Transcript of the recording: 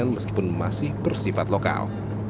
meskipun masih bersifat lokal